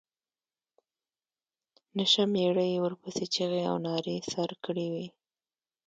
نشه مېړه یې ورپسې چيغې او نارې سر کړې وې.